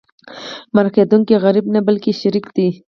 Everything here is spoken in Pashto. مرکه کېدونکی غریب نه بلکې شریك دی.